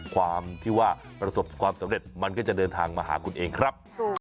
ความที่ว่าประสบความสำเร็จมันก็จะเดินทางมาหาคุณเองครับ